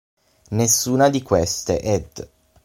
Nessuna di queste ed.